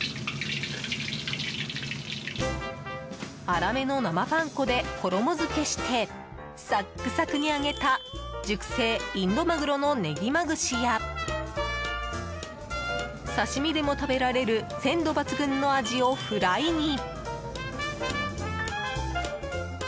粗めの生パン粉で衣づけしてサックサクに揚げた熟成インドマグロのねぎま串や刺し身でも食べられる鮮度抜群のアジをフライに！